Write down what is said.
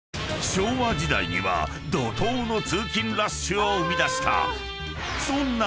［昭和時代には怒濤の通勤ラッシュを生み出したそんな］